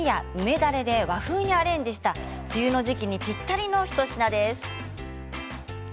だれで和風にアレンジした梅雨の時期にぴったりの一品です。